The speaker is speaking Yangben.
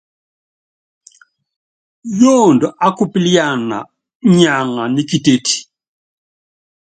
Yoondo ákupíliana niaŋa nḭ kitétí.